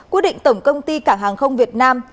quyết định tổng công ty cảng hàng không việt nam